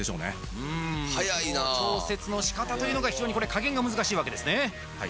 うん調節のしかたというのが非常に加減が難しいわけですね